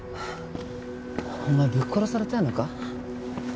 お前ぶっ殺されたいのか？